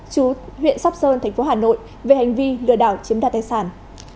chú huyện sóc sơn thành phố hà nội về hành vi lừa đảo chiếm đoạt tài sản